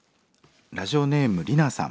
ラジオネームリナさん。